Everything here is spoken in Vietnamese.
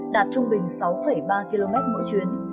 đạt trung bình sáu